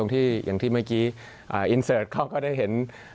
ตรงที่แมคครีอินเสิร์ตเขาก็ได้เห็น